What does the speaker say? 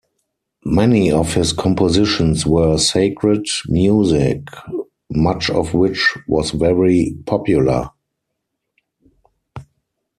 Many of his compositions were sacred music, much of which was very popular.